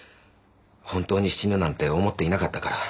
本当に死ぬなんて思っていなかったから。